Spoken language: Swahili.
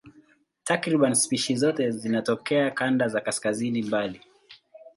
Takriban spishi zote zinatokea kanda za kaskazini mbali.